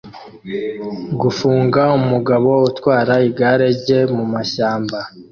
Gufunga umugabo utwara igare rye mumashyamba